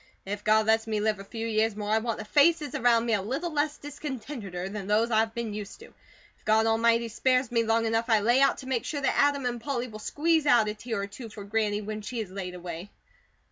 If God lets me live a few years more, I want the faces around me a little less discontenteder than those I've been used to. If God Almighty spares me long enough, I lay out to make sure that Adam and Polly will squeeze out a tear or two for Granny when she is laid away."